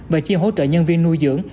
và chi hỗ trợ nhân viên nuôi dưỡng